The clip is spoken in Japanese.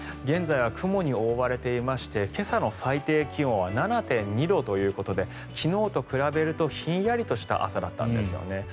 現在は雲に覆われていまして今朝の最低気温は７．２度ということで昨日と比べるとひんやりとした朝だったんですよね。